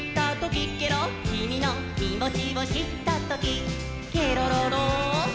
「キミのきもちをしったときケロロロッ！」